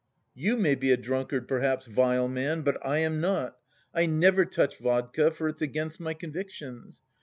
"You may be a drunkard, perhaps, vile man, but I am not! I never touch vodka, for it's against my convictions.